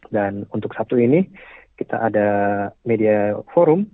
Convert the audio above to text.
dan untuk sabtu ini kita ada media forum